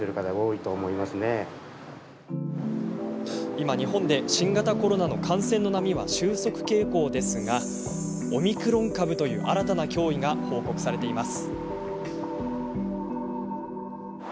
今、日本で新型コロナの感染の波は収束傾向ですがオミクロン株という新たな脅威が報告されています。